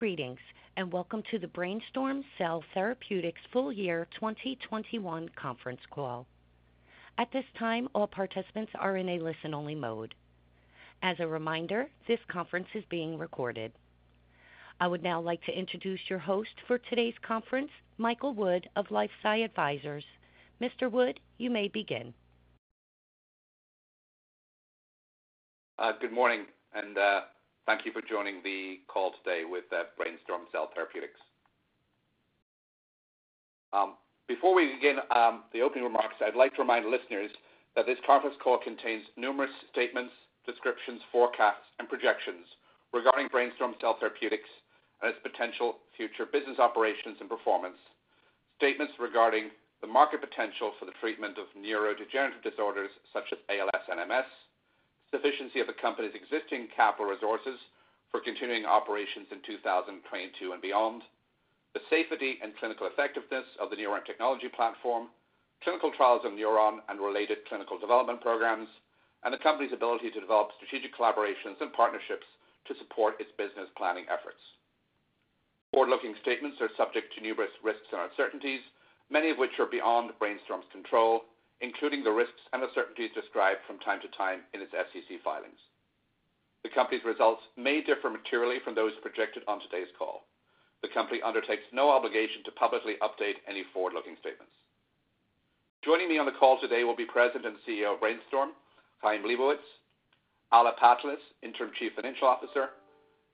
Greetings, and welcome to the BrainStorm Cell Therapeutics full year 2021 conference call. At this time, all participants are in a listen-only mode. As a reminder, this conference is being recorded. I would now like to introduce your host for today's conference, Michael Wood of LifeSci Advisors. Mr. Wood, you may begin. Good morning, and thank you for joining the call today with BrainStorm Cell Therapeutics. Before we begin the opening remarks, I'd like to remind listeners that this conference call contains numerous statements, descriptions, forecasts, and projections regarding BrainStorm Cell Therapeutics and its potential future business operations and performance. Statements regarding the market potential for the treatment of neurodegenerative disorders such as ALS/MS, sufficiency of the company's existing capital resources for continuing operations in 2022 and beyond, the safety and clinical effectiveness of the NurOwn technology platform, clinical trials of NurOwn and related clinical development programs, and the company's ability to develop strategic collaborations and partnerships to support its business planning efforts. Forward-looking statements are subject to numerous risks and uncertainties, many of which are beyond BrainStorm's control, including the risks and uncertainties described from time to time in its SEC filings. The company's results may differ materially from those projected on today's call. The company undertakes no obligation to publicly update any forward-looking statements. Joining me on the call today will be President and CEO of BrainStorm, Chaim Lebovits, Alla Patlis, Interim Chief Financial Officer.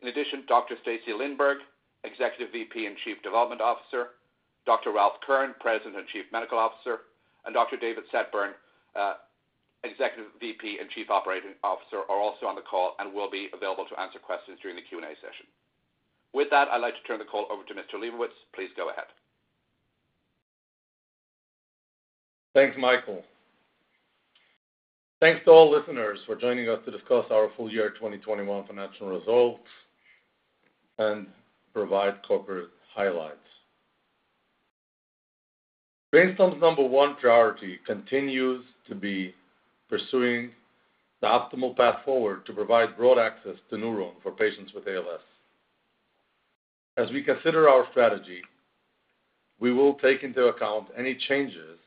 In addition, Dr. Stacy Lindborg, Executive VP and Chief Development Officer, Dr. Ralph Kern, President and Chief Medical Officer, and Dr. David Setboun, Executive VP and Chief Operating Officer, are also on the call and will be available to answer questions during the Q&A session. With that, I'd like to turn the call over to Mr. Lebovits. Please go ahead. Thanks, Michael. Thanks to all listeners for joining us to discuss our full year 2021 financial results and provide corporate highlights. BrainStorm's number one priority continues to be pursuing the optimal path forward to provide broad access to NurOwn for patients with ALS. As we consider our strategy, we will take into account any changes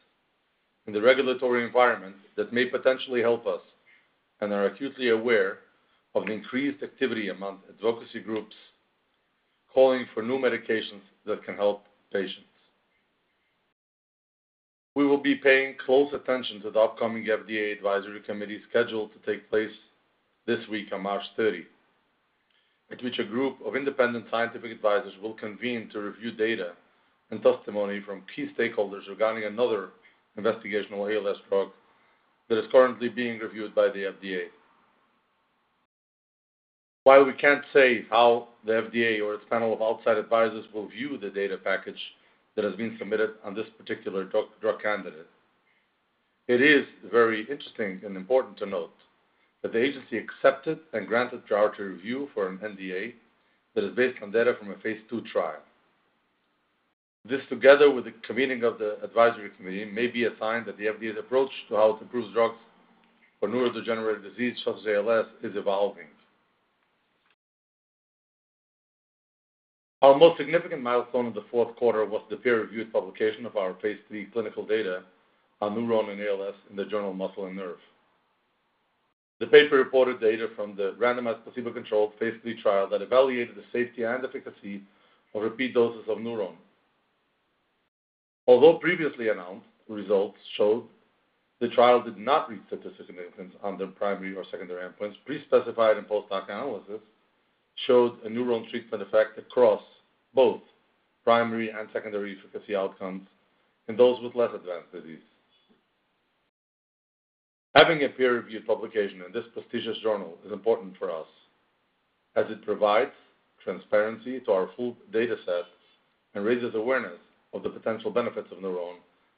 in the regulatory environment that may potentially help us, and are acutely aware of increased activity among advocacy groups calling for new medications that can help patients. We will be paying close attention to the upcoming FDA Advisory Committee scheduled to take place this week on March 30, at which a group of independent scientific advisors will convene to review data and testimony from key stakeholders regarding another investigational ALS drug that is currently being reviewed by the FDA. While we can't say how the FDA or its panel of outside advisors will view the data package that has been submitted on this particular drug candidate, it is very interesting and important to note that the agency accepted and granted priority review for an NDA that is based on data from a phase II trial. This, together with the convening of the advisory committee, may be a sign that the FDA's approach to how it approves drugs for neurodegenerative disease such as ALS is evolving. Our most significant milestone in the fourth quarter was the peer-reviewed publication of our phase III clinical data on NurOwn and ALS in Muscle & Nerve. The paper reported data from the randomized placebo-controlled phase III trial that evaluated the safety and efficacy of repeat doses of NurOwn. Although previously announced results showed the trial did not reach statistical significance on the primary or secondary endpoints, pre-specified and post hoc analysis showed a NurOwn treatment effect across both primary and secondary efficacy outcomes in those with less advanced disease. Having a peer-reviewed publication in this prestigious journal is important for us as it provides transparency to our full data sets and raises awareness of the potential benefits of NurOwn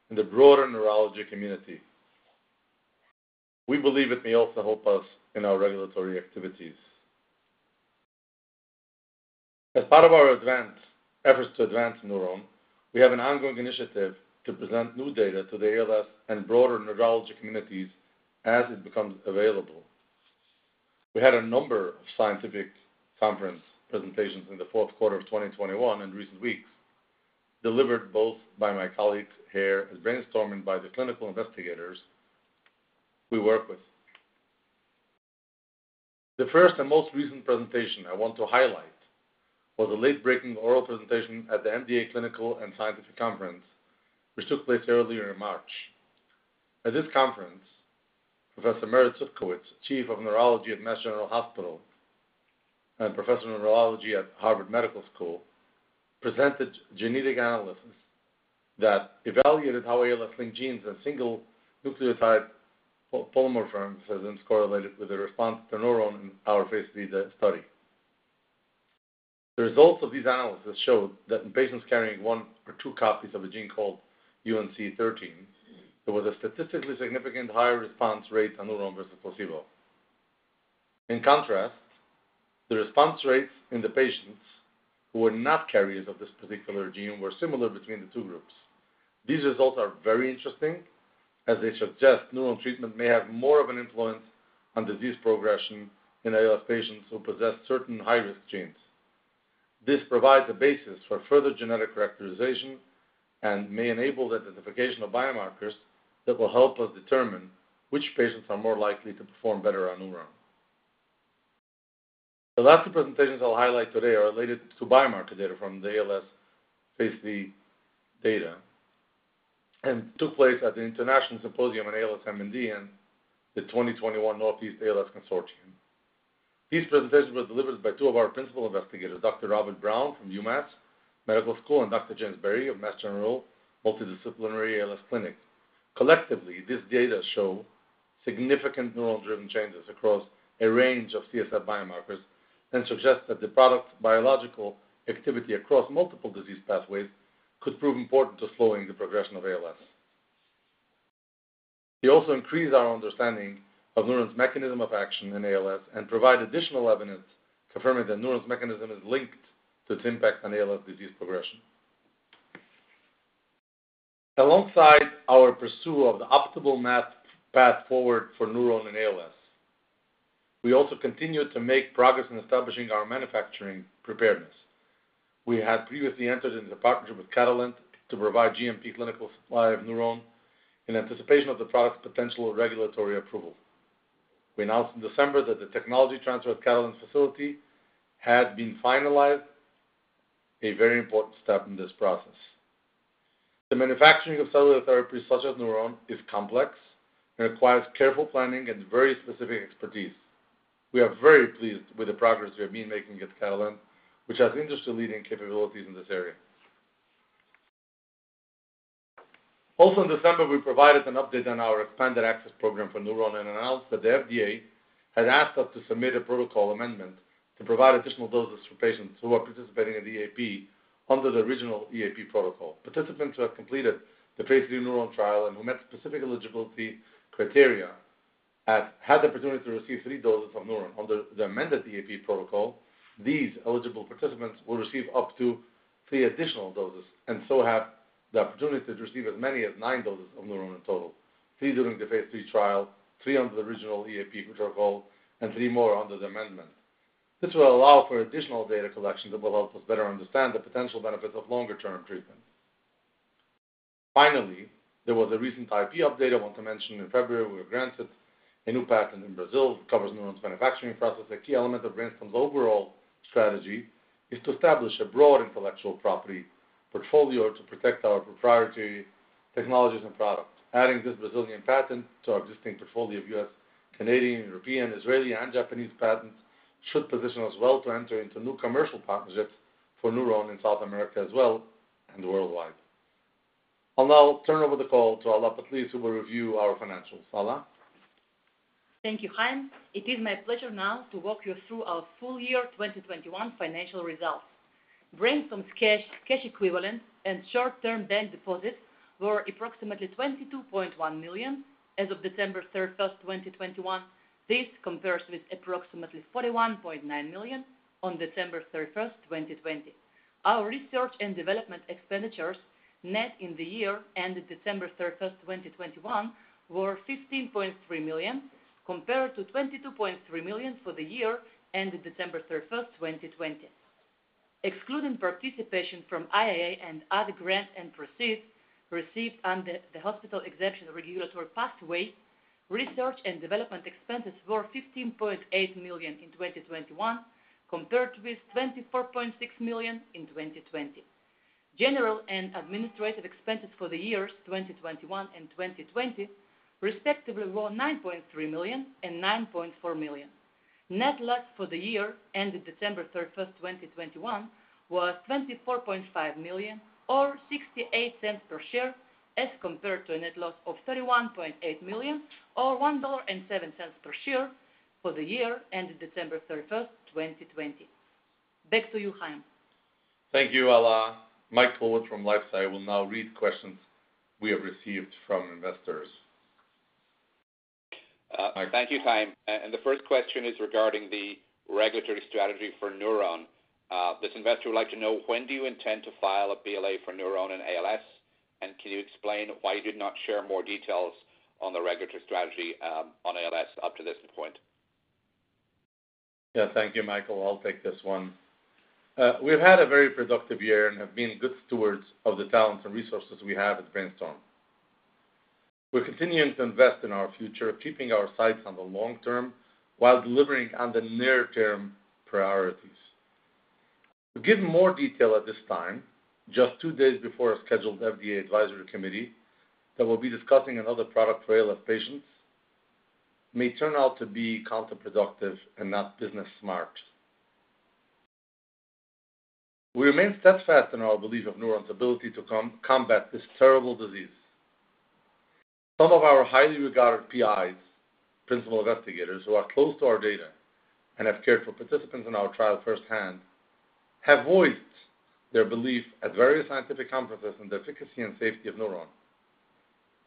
in the broader neurology community. We believe it may also help us in our regulatory activities. As part of our efforts to advance NurOwn, we have an ongoing initiative to present new data to the ALS and broader neurology communities as it becomes available. We had a number of scientific conference presentations in the fourth quarter of 2021 in recent weeks, delivered both by my colleagues here at BrainStorm and by the clinical investigators we work with. The first and most recent presentation I want to highlight was a late-breaking oral presentation at the MDA Clinical and Scientific Conference, which took place earlier in March. At this conference, Professor Merit Cudkowicz, Chief of Neurology at Mass General Hospital and Professor of Neurology at Harvard Medical School, presented genetic analysis that evaluated how ALS linked genes and single nucleotide polymorphisms correlated with the response to NurOwn in our phase III study. The results of these analyses showed that in patients carrying one or two copies of a gene called UNC13A, there was a statistically significant higher response rate on NurOwn versus placebo. In contrast, the response rates in the patients who were not carriers of this particular gene were similar between the two groups. These results are very interesting as they suggest NurOwn treatment may have more of an influence on disease progression in ALS patients who possess certain high-risk genes. This provides a basis for further genetic characterization and may enable the identification of biomarkers that will help us determine which patients are more likely to perform better on NurOwn. The last two presentations I'll highlight today are related to biomarker data from the ALS phase III data, and took place at the International Symposium on ALS/MND in the 2021 Northeast ALS Consortium. These presentations were delivered by two of our principal investigators, Dr. Robert Brown from UMass Chan Medical School and Dr. James Berry of Mass General Multidisciplinary ALS Clinic. Collectively, this data show significant NurOwn-driven changes across a range of CSF biomarkers and suggests that the product's biological activity across multiple disease pathways could prove important to slowing the progression of ALS. They also increase our understanding of NurOwn's mechanism of action in ALS and provide additional evidence confirming that NurOwn's mechanism is linked to its impact on ALS disease progression. Alongside our pursuit of the optimal path forward for NurOwn and ALS, we also continue to make progress in establishing our manufacturing preparedness. We had previously entered into partnership with Catalent to provide GMP clinical supply of NurOwn in anticipation of the product's potential regulatory approval. We announced in December that the technology transfer at Catalent facility had been finalized, a very important step in this process. The manufacturing of cellular therapies such as NurOwn is complex and requires careful planning and very specific expertise. We are very pleased with the progress we have been making at Catalent, which has industry-leading capabilities in this area. Also in December, we provided an update on our expanded access program for NurOwn and announced that the FDA had asked us to submit a protocol amendment to provide additional doses for patients who are participating in the EAP under the original EAP protocol. Participants who have completed the phase III NurOwn trial and who met specific eligibility criteria had the opportunity to receive three doses of NurOwn. Under the amended EAP protocol, these eligible participants will receive up to three additional doses, and so have the opportunity to receive as many as nine doses of NurOwn in total, three during the phase III trial, three under the original EAP protocol, and three more under the amendment. This will allow for additional data collection that will help us better understand the potential benefits of longer-term treatment. Finally, there was a recent IP update I want to mention. In February, we were granted a new patent in Brazil that covers NurOwn's manufacturing process. A key element of BrainStorm's overall strategy is to establish a broad intellectual property portfolio to protect our proprietary technologies and products. Adding this Brazilian patent to our existing portfolio of U.S., Canadian, European, Israeli, and Japanese patents should position us well to enter into new commercial partnerships for NurOwn in South America as well and worldwide. I'll now turn over the call to Alla Patlis to review our financials. Alla? Thank you, Chaim. It is my pleasure now to walk you through our full year 2021 financial results. BrainStorm's cash equivalents, and short-term bank deposits were approximately $22.1 million as of December 31, 2021. This compares with approximately $41.9 million on December 31, 2020. Our research and development expenditures net in the year ended December 31, 2021, were $15.3 million, compared to $22.3 million for the year ended December 31, 2020. Excluding participation from IIA and other grants and proceeds received under the hospital exemption regulatory pathway, research and development expenses were $15.8 million in 2021, compared with $24.6 million in 2020. General and administrative expenses for the years 2021 and 2020, respectively, were $9.3 million and $9.4 million. Net loss for the year ended December 31, 2021, was $24.5 million or $0.68 per share as compared to a net loss of $31.8 million or $1.07 per share for the year ended December 31, 2020. Back to you, Chaim. Thank you, Alla. Michael Wood from LifeSci will now read questions we have received from investors. Thank you, Chaim. The first question is regarding the regulatory strategy for NurOwn. This investor would like to know, when do you intend to file a BLA for NurOwn in ALS? Can you explain why you did not share more details on the regulatory strategy on ALS up to this point? Yeah. Thank you, Michael. I'll take this one. We've had a very productive year and have been good stewards of the talents and resources we have at BrainStorm. We're continuing to invest in our future, keeping our sights on the long term while delivering on the near-term priorities. To give more detail at this time, just two days before a scheduled FDA Advisory Committee that will be discussing another product for ALS patients, may turn out to be counterproductive and not business smart. We remain steadfast in our belief of NurOwn's ability to combat this terrible disease. Some of our highly regarded PIs, principal investigators, who are close to our data and have cared for participants in our trial firsthand, have voiced their belief at various scientific conferences in the efficacy and safety of NurOwn.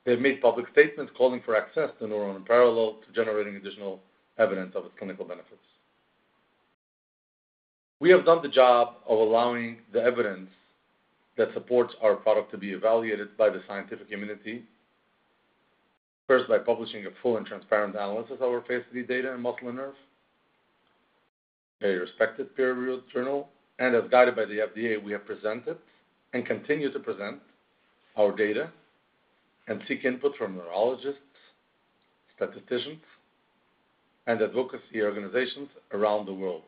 They have made public statements calling for access to NurOwn parallel to generating additional evidence of its clinical benefits. We have done the job of allowing the evidence that supports our product to be evaluated by the scientific community. First, by publishing a full and transparent analysis of our phase III data in Muscle & Nerve, a respected peer-reviewed journal, and as guided by the FDA, we have presented and continue to present our data and seek input from neurologists, statisticians, and advocacy organizations around the world.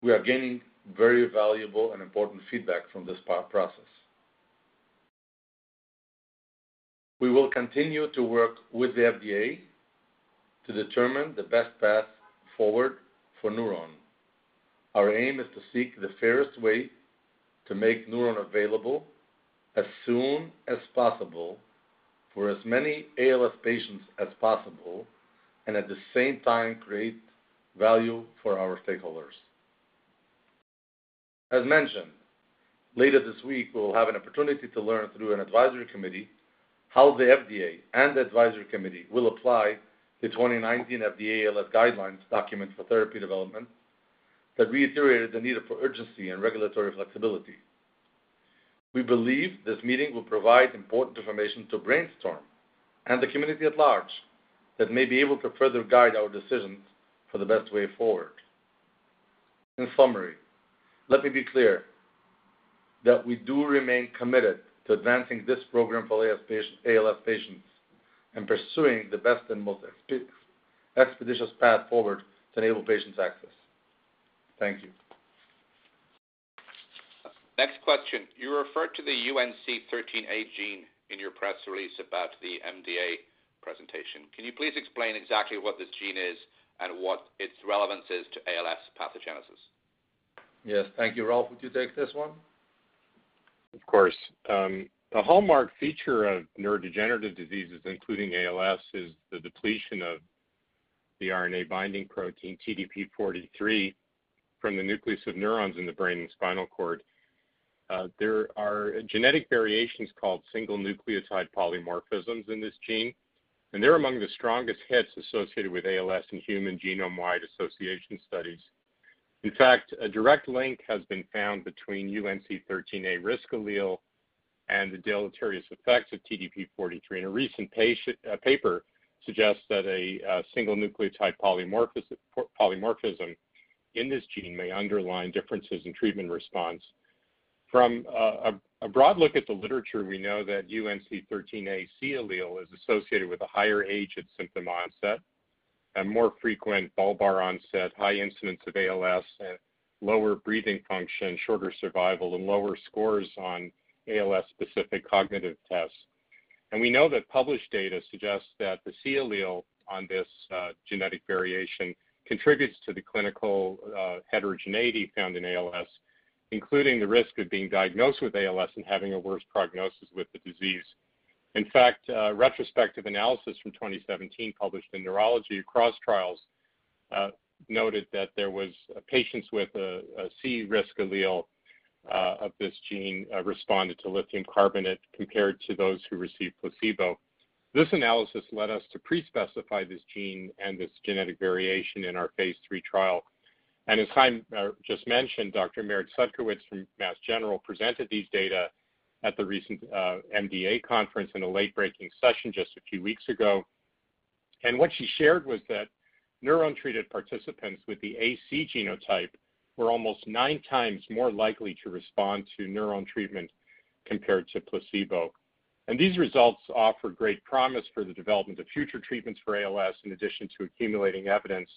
We are gaining very valuable and important feedback from this process. We will continue to work with the FDA to determine the best path forward for NurOwn. Our aim is to seek the fairest way to make NurOwn available as soon as possible for as many ALS patients as possible, and at the same time create value for our stakeholders. As mentioned, later this week, we'll have an opportunity to learn through an advisory committee how the FDA and the advisory committee will apply the 2019 FDA ALS guidelines document for therapy development that reiterated the need for urgency and regulatory flexibility. We believe this meeting will provide important information to BrainStorm and the community at large that may be able to further guide our decisions for the best way forward. In summary, let me be clear that we do remain committed to advancing this program for ALS patients and pursuing the best and most expeditious path forward to enable patients access. Thank you. Next question. You referred to the UNC13A gene in your press release about the MDA presentation. Can you please explain exactly what this gene is and what its relevance is to ALS pathogenesis? Yes. Thank you. Ralph, would you take this one? Of course. The hallmark feature of neurodegenerative diseases, including ALS, is the depletion of the RNA binding protein TDP43 from the nucleus of neurons in the brain and spinal cord. There are genetic variations called single nucleotide polymorphisms in this gene, and they're among the strongest hits associated with ALS in human genome-wide association studies. In fact, a direct link has been found between UNC13A risk allele and the deleterious effects of TDP43. A recent paper suggests that a single nucleotide polymorphism in this gene may underline differences in treatment response. From a broad look at the literature, we know that UNC13A C allele is associated with a higher age at symptom onset and more frequent bulbar onset, high incidence of ALS, and lower breathing function, shorter survival, and lower scores on ALS-specific cognitive tests. We know that published data suggests that the C allele on this genetic variation contributes to the clinical heterogeneity found in ALS, including the risk of being diagnosed with ALS and having a worse prognosis with the disease. In fact, retrospective analysis from 2017 published in Neurology across trials noted that there was patients with a C risk allele of this gene responded to lithium carbonate compared to those who received placebo. This analysis led us to pre-specify this gene and this genetic variation in our phase III trial. As Chaim just mentioned, Dr. Merit Cudkowicz from Mass General presented these data at the recent MDA conference in a late-breaking session just a few weeks ago. What she shared was that NurOwn-treated participants with the AC genotype were almost nine times more likely to respond to NurOwn treatment compared to placebo. These results offer great promise for the development of future treatments for ALS, in addition to accumulating evidence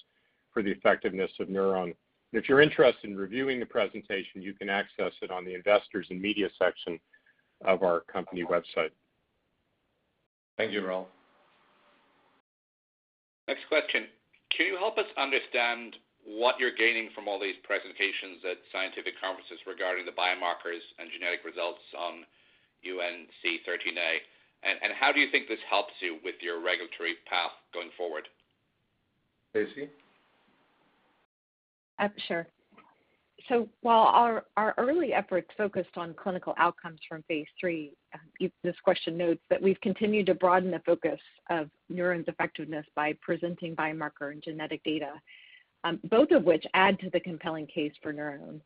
for the effectiveness of NurOwn. If you're interested in reviewing the presentation, you can access it on the Investors and Media section of our company website. Thank you, Ralph. Next question. Can you help us understand what you're gaining from all these presentations at scientific conferences regarding the biomarkers and genetic results on UNC13A? How do you think this helps you with your regulatory path going forward? Stacy? Sure. While our early efforts focused on clinical outcomes from phase III, this question notes that we've continued to broaden the focus of NurOwn's effectiveness by presenting biomarker and genetic data, both of which add to the compelling case for NurOwn.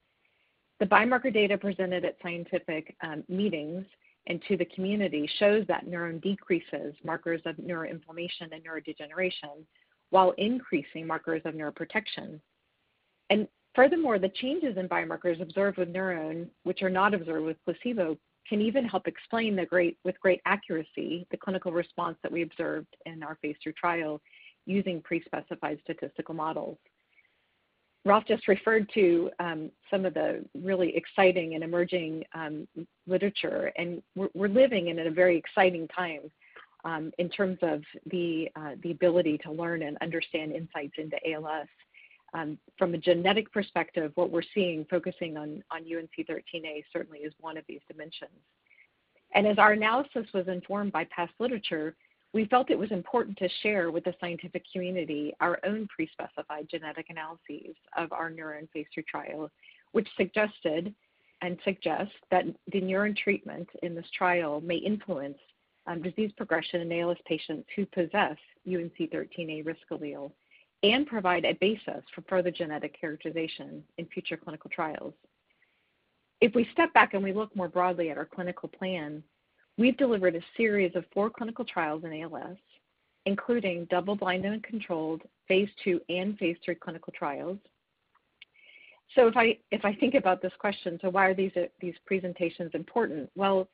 The biomarker data presented at scientific meetings and to the community shows that NurOwn decreases markers of neuroinflammation and neurodegeneration while increasing markers of neuroprotection. Furthermore, the changes in biomarkers observed with NurOwn, which are not observed with placebo, can even help explain with great accuracy the clinical response that we observed in our phase III trial using pre-specified statistical models. Ralph just referred to some of the really exciting and emerging literature, and we're living in a very exciting time in terms of the ability to learn and understand insights into ALS. From a genetic perspective, what we're seeing focusing on UNC13A certainly is one of these dimensions. As our analysis was informed by past literature, we felt it was important to share with the scientific community our own pre-specified genetic analyses of our NurOwn phase III trial, which suggested and suggest that the NurOwn treatment in this trial may influence disease progression in ALS patients who possess UNC13A risk allele and provide a basis for further genetic characterization in future clinical trials. If we step back and we look more broadly at our clinical plan, we've delivered a series of four clinical trials in ALS, including double-blind and controlled phase II and phase III clinical trials. If I think about this question, so why are these presentations important? Well,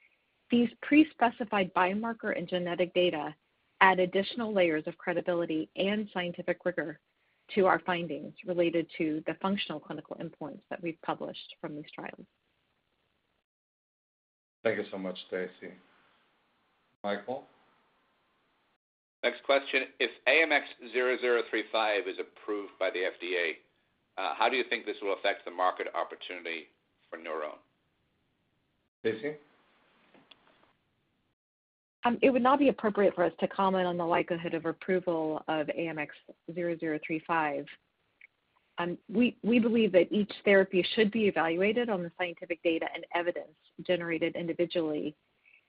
these pre-specified biomarker and genetic data add additional layers of credibility and scientific rigor to our findings related to the functional clinical endpoints that we've published from these trials. Thank you so much, Stacy. Michael? Next question. If AMX0035 is approved by the FDA, how do you think this will affect the market opportunity for NurOwn? Stacy? It would not be appropriate for us to comment on the likelihood of approval of AMX0035. We believe that each therapy should be evaluated on the scientific data and evidence generated individually.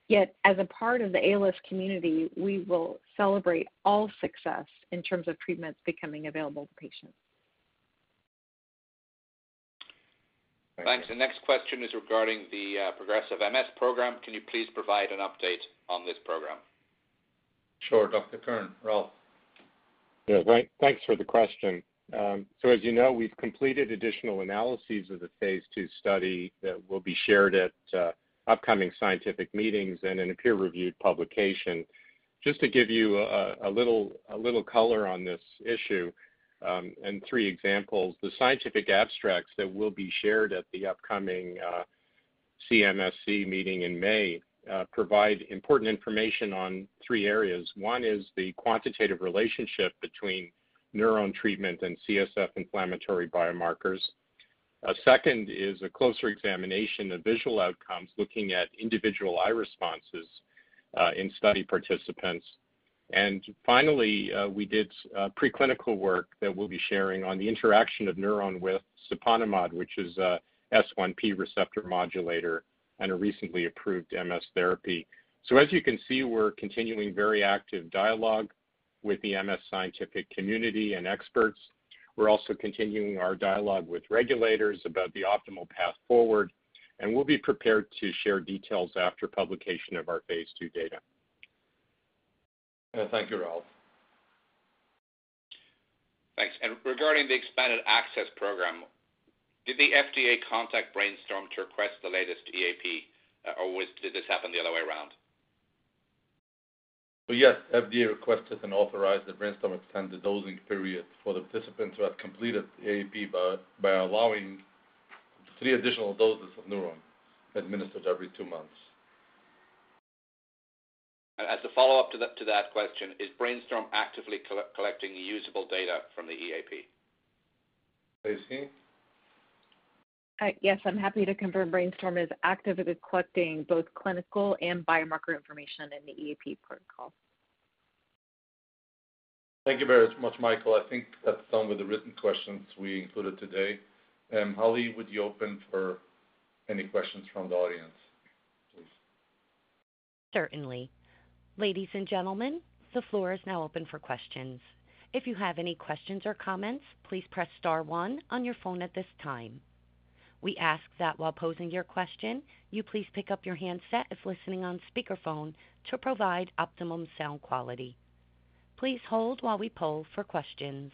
Yet as a part of the ALS community, we will celebrate all success in terms of treatments becoming available to patients. Thank you. Thanks. The next question is regarding the progressive MS program. Can you please provide an update on this program? Sure. Dr. Ralph Kern. Yeah. Thanks for the question. So as you know, we've completed additional analyses of the phase II study that will be shared at upcoming scientific meetings and in a peer-reviewed publication. Just to give you a little color on this issue and three examples. The scientific abstracts that will be shared at the upcoming CMSC meeting in May provide important information on three areas. One is the quantitative relationship between NurOwn treatment and CSF inflammatory biomarkers. Second is a closer examination of visual outcomes, looking at individual eye responses in study participants. And finally, we did preclinical work that we'll be sharing on the interaction of NurOwn with siponimod, which is a S1P receptor modulator and a recently approved MS therapy. As you can see, we're continuing very active dialogue with the MS scientific community and experts. We're also continuing our dialogue with regulators about the optimal path forward, and we'll be prepared to share details after publication of our phase II data. Thank you, Ralph. Thanks. Regarding the expanded access program, did the FDA contact BrainStorm to request the latest EAP, or did this happen the other way around? Yes. FDA requested and authorized that BrainStorm extend the dosing period for the participants who have completed the EAP by allowing three additional doses of NurOwn administered every two months. As a follow-up to that question, is BrainStorm actively collecting usable data from the EAP? Stacy? Yes. I'm happy to confirm BrainStorm is actively collecting both clinical and biomarker information in the EAP protocol. Thank you very much, Michael. I think that's done with the written questions we included today. Holly, would you open for any questions from the audience, please? Certainly. Ladies and gentlemen, the floor is now open for questions. If you have any questions or comments, please press star one on your phone at this time. We ask that while posing your question, you please pick up your handset if listening on speakerphone to provide optimum sound quality. Please hold while we poll for questions.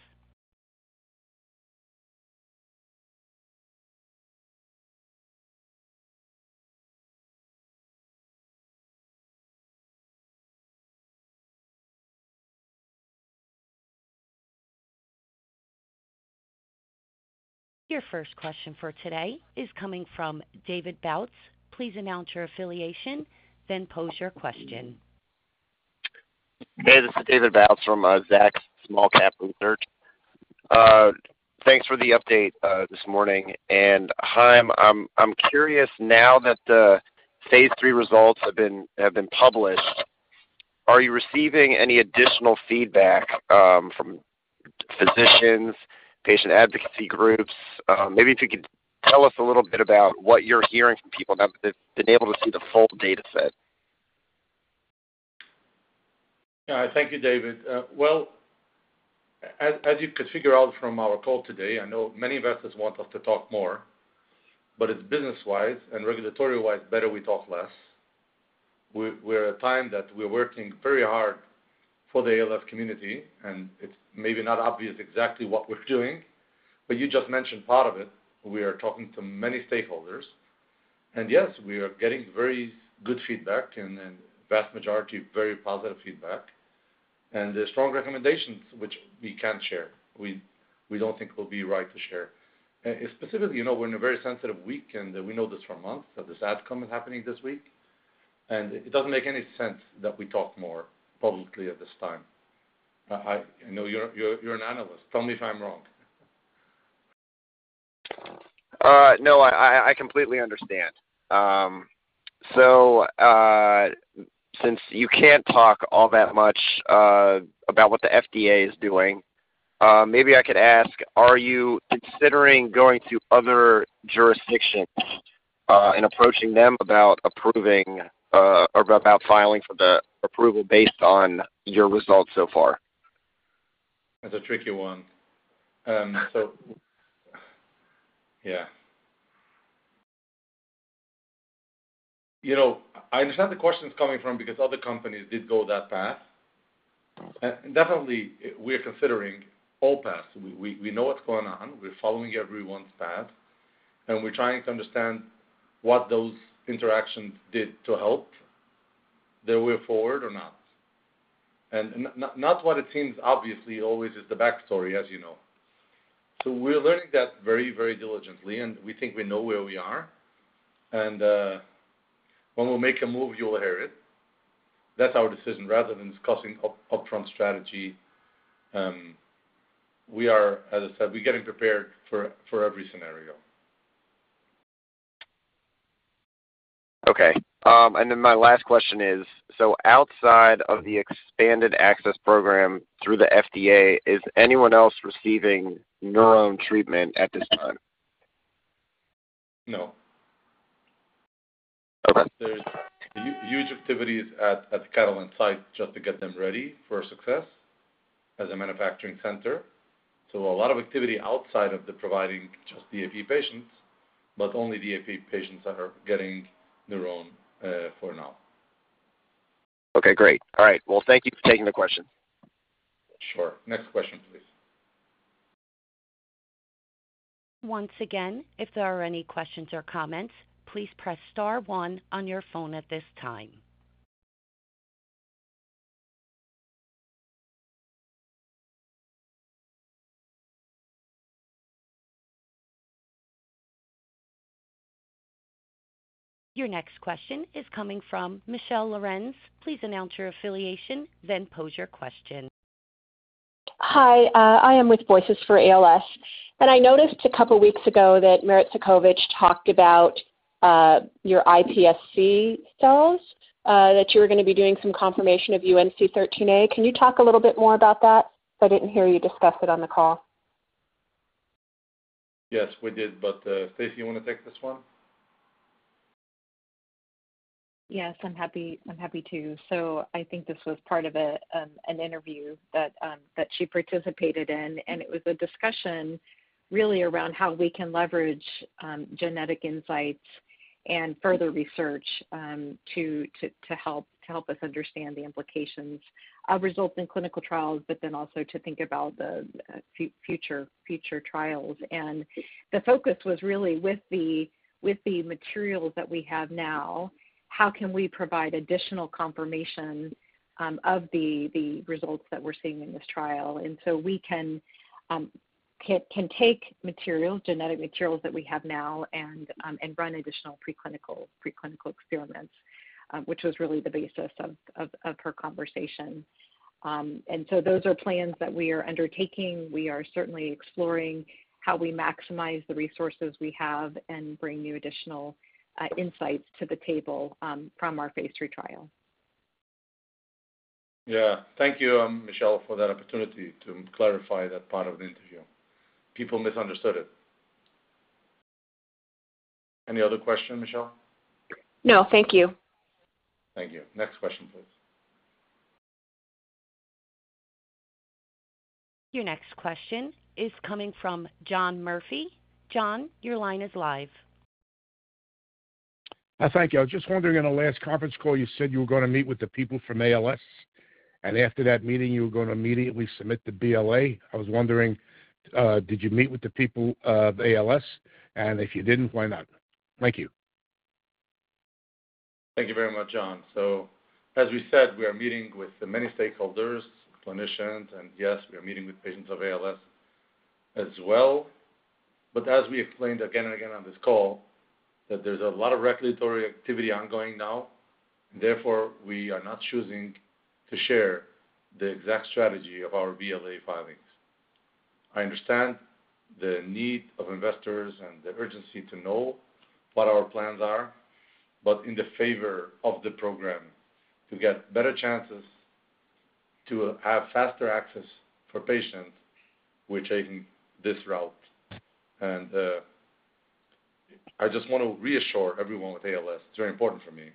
Your first question for today is coming from David Bautz. Please announce your affiliation then pose your question. Hey, this is David Bautz from Zacks Small Cap Research. Thanks for the update this morning. Chaim, I'm curious now that the phase III results have been published. Are you receiving any additional feedback from physicians, patient advocacy groups? Maybe if you could tell us a little bit about what you're hearing from people now that they've been able to see the full data set. Yeah. Thank you, David. Well, as you could figure out from our call today, I know many investors want us to talk more, but it's business-wise and regulatory-wise better we talk less. We're at a time that we're working very hard for the ALS community, and it's maybe not obvious exactly what we're doing, but you just mentioned part of it. We are talking to many stakeholders. Yes, we are getting very good feedback and vast majority very positive feedback. There are strong recommendations which we can't share. We don't think it will be right to share. Specifically, you know, we're in a very sensitive week, and we know this for months that this AdComm is happening this week. It doesn't make any sense that we talk more publicly at this time. I know you're an analyst. Tell me if I'm wrong. No, I completely understand. Since you can't talk all that much about what the FDA is doing, maybe I could ask, are you considering going to other jurisdictions and approaching them about approving or about filing for the approval based on your results so far? That's a tricky one. Yeah. You know, I understand the questions coming from because other companies did go that path. Mm-hmm. Definitely we're considering all paths. We know what's going on. We're following everyone's path, and we're trying to understand what those interactions did to help the way forward or not. Not what it seems obviously always is the back story, as you know. We're learning that very diligently, and we think we know where we are. When we'll make a move, you'll hear it. That's our decision rather than discussing upfront strategy. As I said, we're getting prepared for every scenario. Okay. My last question is, so outside of the Expanded Access Program through the FDA, is anyone else receiving NurOwn treatment at this time? No. Okay. There's huge activities at the Catalent site just to get them ready for success as a manufacturing center. A lot of activity outside of the providing just EAP patients, but only EAP patients are getting NurOwn, for now. Okay, great. All right. Well, thank you for taking the question. Sure. Next question, please. Once again, if there are any questions or comments, please press star one on your phone at this time. Your next question is coming from Michelle Lorenz. Please announce your affiliation then pose your question. Hi. I am with Voices for ALS, and I noticed a couple weeks ago that Merit Cudkowicz talked about your iPSC cells that you were gonna be doing some confirmation of UNC13A A. Can you talk a little bit more about that? I didn't hear you discuss it on the call. Yes, we did. Stacy, you wanna take this one? Yes. I'm happy to. I think this was part of a, an interview that she participated in, and it was a discussion really around how we can leverage, genetic insights and further research, to help us understand the implications of results in clinical trials, but then also to think about the, future trials. The focus was really with the materials that we have now, how can we provide additional confirmation, of the results that we're seeing in this trial. We can take materials, genetic materials that we have now and run additional preclinical experiments, which was really the basis of her conversation. Those are plans that we are undertaking. We are certainly exploring how we maximize the resources we have and bring new additional insights to the table from our phase III trial. Yeah. Thank you, Michelle, for that opportunity to clarify that part of the interview. People misunderstood it. Any other question, Michelle? No, thank you. Thank you. Next question, please. Your next question is coming from John Murphy. John, your line is live. Thank you. I was just wondering in the last conference call, you said you were gonna meet with the people from ALS, and after that meeting, you were gonna immediately submit the BLA. I was wondering, did you meet with the people of ALS? If you didn't, why not? Thank you. Thank you very much, John. As we said, we are meeting with the many stakeholders, clinicians, and yes, we are meeting with patients of ALS as well. As we explained again and again on this call that there's a lot of regulatory activity ongoing now, therefore, we are not choosing to share the exact strategy of our BLA filings. I understand the need of investors and the urgency to know what our plans are, but in the favor of the program to get better chances to have faster access for patients, we're taking this route. I just want to reassure everyone with ALS, it's very important for me,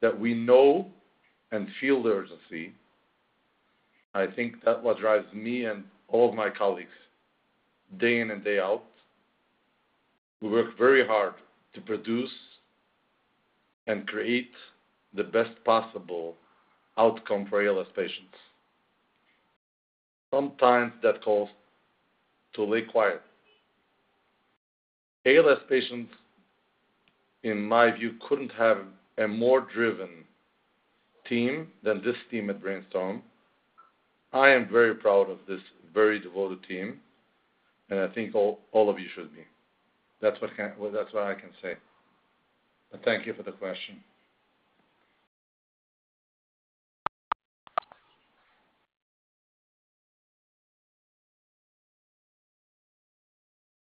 that we know and feel the urgency. I think that what drives me and all of my colleagues day in and day out, we work very hard to produce and create the best possible outcome for ALS patients. Sometimes that calls for a little quiet. ALS patients, in my view, couldn't have a more driven team than this team at BrainStorm. I am very proud of this very devoted team, and I think all of you should be. Well, that's what I can say. Thank you for the question.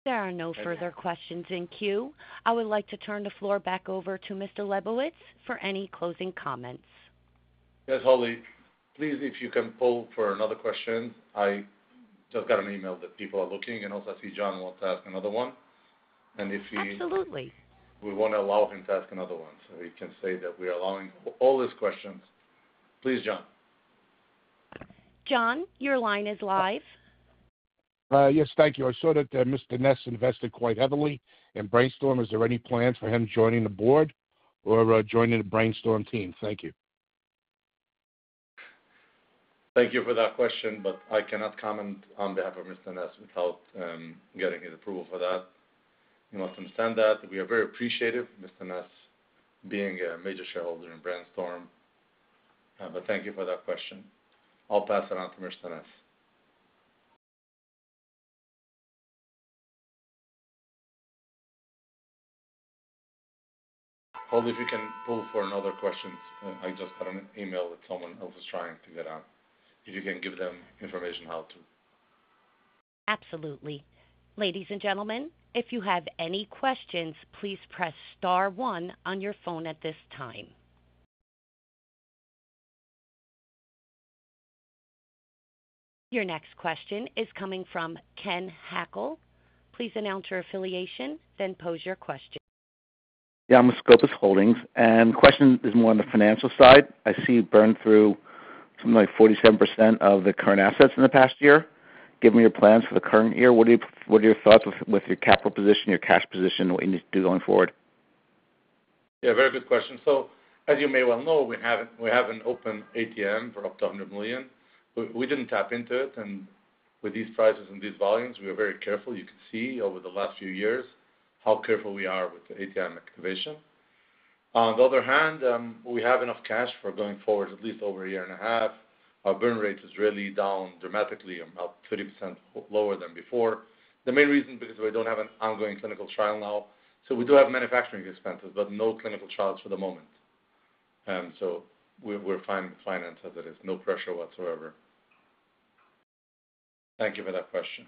There are no further questions in queue. I would like to turn the floor back over to Mr. Lebovits for any closing comments. Yes, Holly, please, if you can poll for another question. I just got an email that people are looking, and also I see John wants to ask another one. If he- Absolutely. We wanna allow him to ask another one, so he can say that we are allowing all his questions. Please, John. John, your line is live. Yes, thank you. I saw that Mr. Ness invested quite heavily in BrainStorm. Is there any plans for him joining the board or joining the BrainStorm team? Thank you. Thank you for that question, but I cannot comment on behalf of Mr. Ness without getting his approval for that. You must understand that. We are very appreciative of Mr. Ness being a major shareholder in BrainStorm. But thank you for that question. I'll pass it on to Mr. Ness. Holly, if you can poll for another question. I just got an email that someone else is trying to get on. If you can give them information how to. Absolutely. Ladies and gentlemen, if you have any questions, please press star one on your phone at this time. Your next question is coming from Ken Hackl. Please announce your affiliation, then pose your question. Yeah, I'm with Scopus Holdings, and the question is more on the financial side. I see burn through something like 47% of the current assets in the past year. Given your plans for the current year, what are your thoughts with your capital position, your cash position, what you need to do going forward? Yeah, very good question. As you may well know, we have an open ATM for up to $100 million. We didn't tap into it, and with these prices and these volumes, we are very careful. You can see over the last few years how careful we are with the ATM activation. On the other hand, we have enough cash for going forward at least over a year and a half. Our burn rate is really down dramatically, about 30% lower than before. The main reason, because we don't have an ongoing clinical trial now, so we do have manufacturing expenses, but no clinical trials for the moment. We're fine. Finances, there is no pressure whatsoever. Thank you for that question.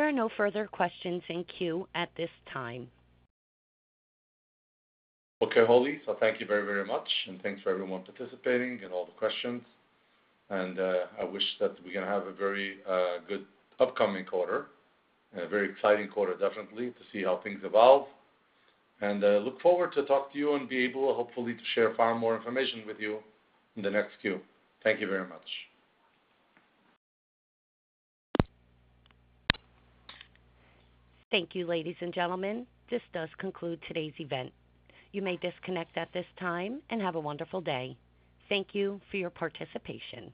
There are no further questions in queue at this time. Okay, Holly. Thank you very, very much, and thanks for everyone participating and all the questions. I wish that we're gonna have a very good upcoming quarter and a very exciting quarter, definitely, to see how things evolve. I look forward to talk to you and be able, hopefully, to share far more information with you in the next queue. Thank you very much. Thank you, ladies and gentlemen. This does conclude today's event. You may disconnect at this time, and have a wonderful day. Thank you for your participation.